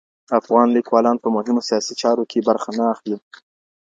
افغان لیکوالان په مهمو سیاسي چارو کي برخه نه اخلي.